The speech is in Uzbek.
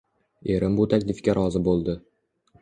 Erim bu taklifga rozi boʻldi